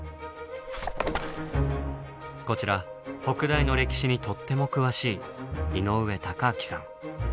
こちら北大の歴史にとっても詳しい井上高聡さん。